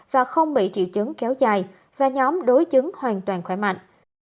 và không bị triệu chứng kéo dài và nhóm đối chứng hoàn toàn khỏe mạnh